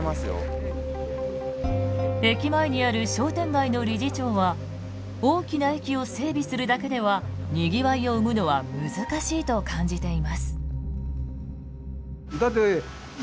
駅前にある商店街の理事長は大きな駅を整備するだけではにぎわいを生むのは難しいと感じています。